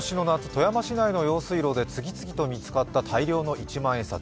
富山市内の用水路で次々と見つかった大量の一万円札。